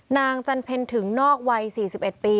นางจันเพลทึ่งนอกวัย๔๑ปี